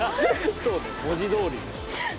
そうね文字どおりに。